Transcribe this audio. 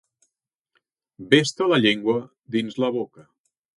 Bé està la llengua dins la boca.